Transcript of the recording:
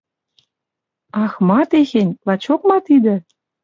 Ах, ма техень? Лачок ма тидӹ?